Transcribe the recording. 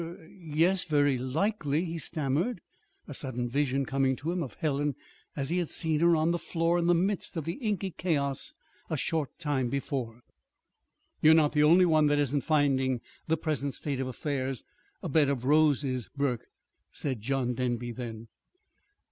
"Er er y yes, very likely," he stammered, a sudden vision coming to him of Helen as he had seen her on the floor in the midst of the inky chaos a short time before. "You're not the only one that isn't finding the present state of affairs a a bed of roses, Burke," said John Denby then.